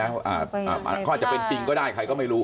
เขาอาจจะเป็นจริงก็ได้ใครก็ไม่รู้